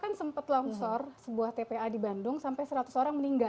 dua ribu lima kan sempat longsor sebuah tpa di bandung sampai seratus orang meninggal